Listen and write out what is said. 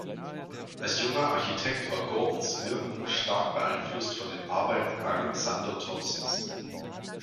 Als junger Architekt war Gordons Wirken stark beeinflusst von den Arbeiten Alexander Thomsons.